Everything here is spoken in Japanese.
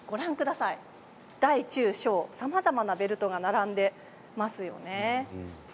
大中小、さまざまなベルトが並んでいますよね。